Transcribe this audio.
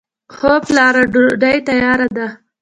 هو پلاره! ډوډۍ تیاره ده.